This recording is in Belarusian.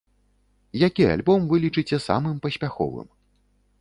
Які альбом вы лічыце самым паспяховым?